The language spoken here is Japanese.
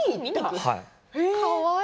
かわいい。